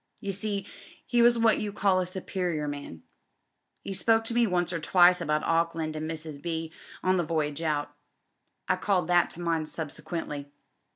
You see, he was what you call a superior man. 'E spoke to me once or twice about Auckland and Mrs. B. on the voyage out. I called that to mind subsequently.